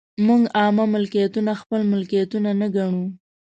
موږ عامه ملکیتونه خپل ملکیتونه نه ګڼو.